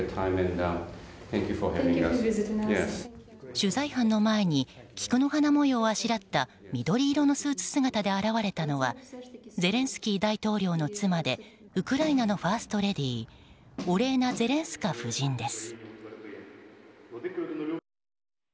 取材班の前に菊の花模様をあしらった緑色のスーツ姿で現れたのはゼレンスキー大統領の妻でウクライナのファーストレディーオレーナ・ゼレンスカ夫人です。